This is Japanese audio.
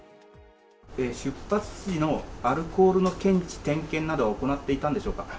出発時のアルコールの検知、点検などは行っていたんでしょうか。